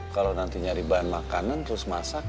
kalau nanti nyari bahan makanan terus masak